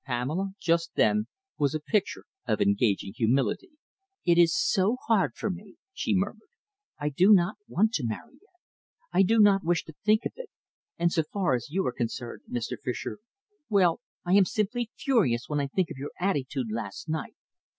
Pamela just then was a picture of engaging humility. "It is so hard for me," she murmured, "I do not want to marry yet. I do not wish to think of it. And so far as you are concerned, Mr. Fischer well, I am simply furious when I think of your attitude last night.